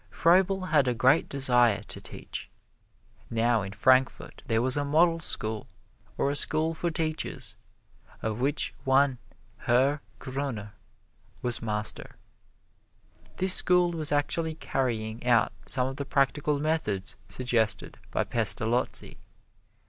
Froebel had a great desire to teach. Now, in Frankfort there was a Model School or a school for teachers, of which one Herr Gruner was master. This school was actually carrying out some of the practical methods suggested by Pestalozzi.